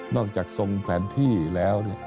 อกจากทรงแผนที่แล้ว